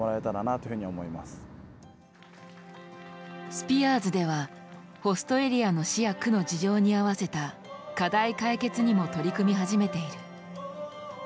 スピアーズではホストエリアの市や区の事情に合わせた課題解決にも取り組み始めている。